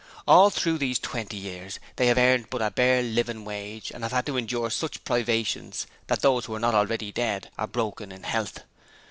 All through those twenty years they have earned but a bare living wage and have had to endure such privations that those who are not already dead are broken in health.